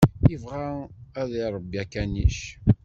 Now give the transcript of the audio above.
Yebɣa ad iṛebbi akanic.